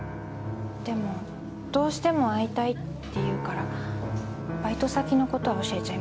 でもどうしても会いたいって言うからバイト先の事は教えちゃいましたけど。